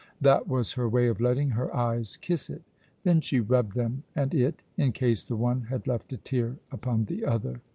That was her way of letting her eyes kiss it Then she rubbed them and it, in case the one had left a tear upon the other.